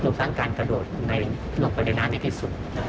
หลวงต้านการกระโดดหลวงไปในนั้นที่สุด